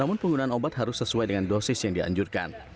namun penggunaan obat harus sesuai dengan dosis yang dianjurkan